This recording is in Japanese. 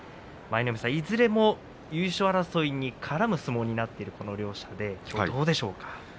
いずれも優勝争いに絡む相撲になっているこの両者どうでしょうか。